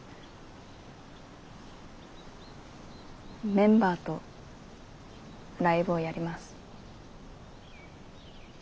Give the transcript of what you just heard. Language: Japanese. メンバーとライブをやります。